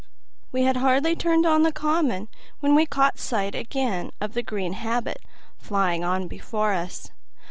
We had hardly turned on the common, when we caught sight again of the green habit flying on before us.